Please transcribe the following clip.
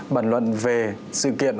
bản luận về sự kiện